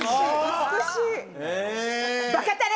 美しい。